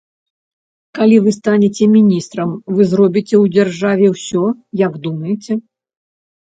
Калі вы станеце міністрам, вы зробіце ў дзяржаве ўсё, як думаеце.